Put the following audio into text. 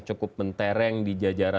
cukup mentereng di jajaran